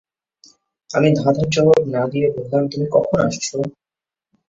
আমি ধাঁধার জবাব না-দিয়ে বললাম, তুমি কখন আসছ?